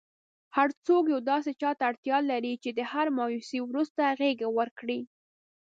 هرڅوک یو داسي چاته اړتیا لري چي د هري مایوسۍ وروسته غیږه ورکړئ.!